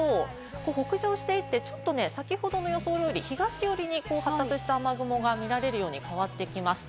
北上していって、先ほどの予想より東寄りに発達した雨雲が見られるように変わってきました。